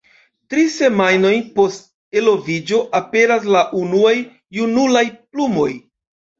Tri semajnojn post eloviĝo, aperas la unuaj junulaj plumoj.